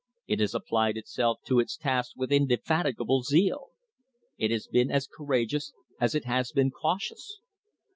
It has applied itself to its tasks with indefatigable zeal. It has been as cour ageous as it has been cautious.